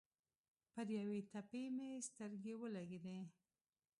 پر یوې تپې مې سترګې ولګېدې.